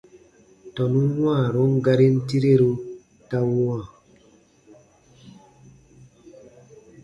Tɔnun wãarun garin tireru ta wãa.